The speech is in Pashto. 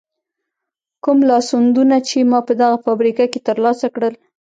کوم لاسوندونه چې ما په دغه فابریکه کې تر لاسه کړل.